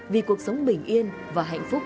vì cuộc sống bình yên và hạnh phúc